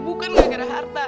bukan nggak gara gara harta